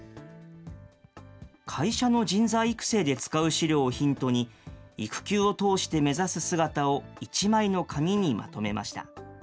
会社の人材育成で使う資料をヒントに、育休を通して目指す姿を１枚の紙にまとめました。